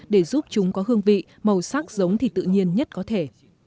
để giúp chúng có hương vị màu sắc giống thịt tự nhiên nhất có thể